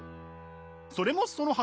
それもそのはず。